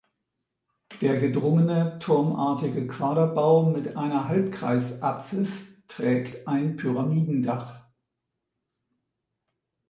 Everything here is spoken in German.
Der gedrungene turmartige Quaderbau mit einer Halbkreisapsis trägt ein Pyramidendach.